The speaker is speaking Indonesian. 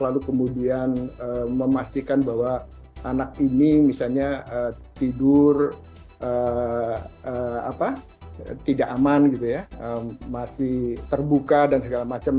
lalu kemudian memastikan bahwa anak ini misalnya tidur tidak aman masih terbuka dan segala macam